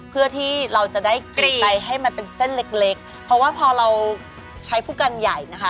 เพื่อที่เราจะได้กลิ่นไปให้มันเป็นเส้นเล็กเล็กเพราะว่าพอเราใช้ผู้กันใหญ่นะคะ